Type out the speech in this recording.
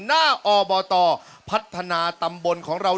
หน้าอบตพัฒนาตำบลของเรา